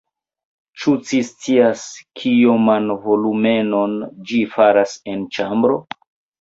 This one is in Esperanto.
Ĉu ci scias, kioman volumenon ĝi faras en ĉambro?